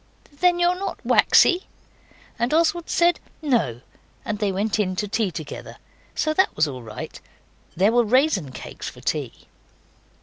'Then you're not waxy?' And Oswald said 'No' and they went in to tea together. So that was all right. There were raisin cakes for tea.